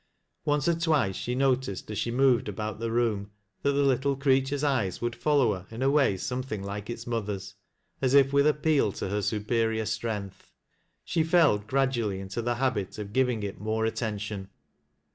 Once or twice she noticed as she moved about the room that the little creature's eyes would follow her in a way something like its mother's, as if with appeal to her superior strength. She fell gradually into the habit of giving it more attention.